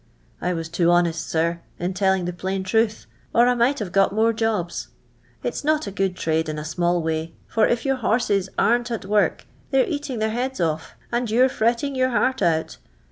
. I was too honest, sir, in tellin:; the plain truth, or I nii;;ht have got more jobs. It 's not a good ! tnide in a »m\\\ way, Ut if your horses aren't at work, they're e.atini? their hwds off, and you're fretting your heart out.